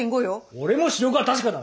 俺も視力は確かだ！